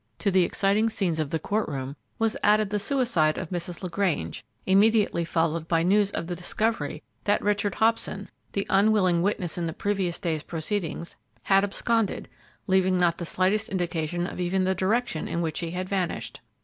To the exciting scenes of the court room was added the suicide of Mrs. LaGrange, immediately followed by news of the discovery that Richard Hobson, the unwilling witness in the previous day's proceedings, had absconded, leaving not the slightest indication of even the direction in which he had vanished.